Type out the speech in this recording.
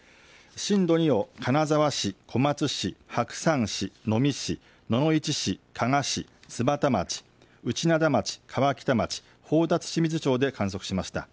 震度２を金沢市、小松市、白山市、能美市、野々市市、加賀市、津幡町、内灘町、川北町、宝達志水町で観測しました。